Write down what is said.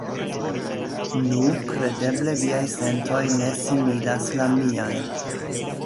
Nu, kredeble viaj sentoj ne similas la miajn.